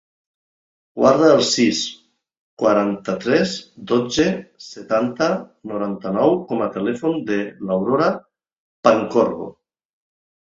Guarda el sis, quaranta-tres, dotze, setanta, noranta-nou com a telèfon de l'Aurora Pancorbo.